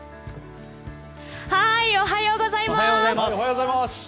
おはようございます！